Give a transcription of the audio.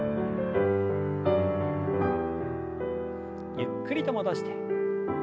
ゆっくりと戻して。